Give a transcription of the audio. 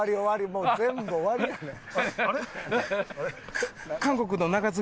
もう全部終わりやねん。